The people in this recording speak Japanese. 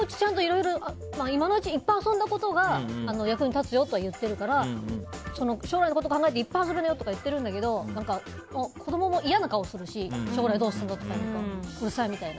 今のうちにいっぱい遊んだことが役に立つよとは言ってるから将来のことを考えていっぱい遊べるよとか言ってるんだけど子供も嫌な顔をするし将来どうするの？って聞いたらうっさいみたいな。